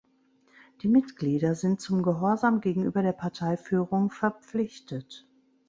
Die Mitglieder sind zum Gehorsam gegenüber der Parteiführung verpflichtet.